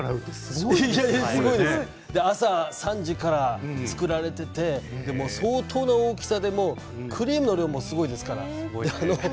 朝３時から作られていて相当な大きさでクリームの量もすごいですから。